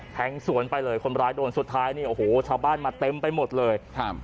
แทงสวนไปเลยคนร้ายโดนสุดท้ายเนี่ยโอ้โหชาวบ้านมาเต็มไปหมดเลยครับ